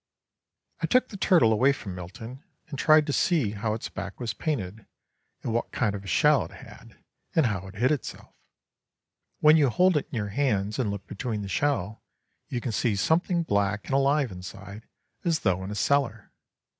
I took the turtle away from Milton, and tried to see how its back was painted, and what kind of a shell it had, and how it hid itself. When you hold it in your hands and look between the shell, you can see something black and alive inside, as though in a cellar.